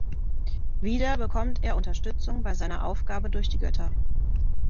Wieder bekommt er Unterstützung bei seiner Aufgabe durch die Götter.